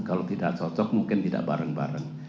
kalau tidak cocok mungkin tidak bareng bareng